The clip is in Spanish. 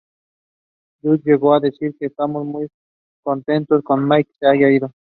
Durst llegó a decir que ""estamos muy contentos de que Mike se haya ido.